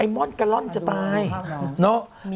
ไอ่มอลกะล่อนจะตายน้อง